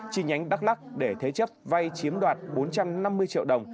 chi nhánh đắk lắc để thế chấp vay chiếm đoạt bốn trăm năm mươi triệu đồng